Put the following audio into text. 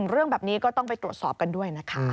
เรื่องแบบนี้ก็ต้องไปตรวจสอบกันด้วยนะคะ